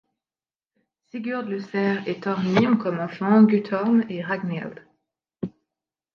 Sigurd le Cerf et Thorny ont comme enfants Guttorm et Ragnhild.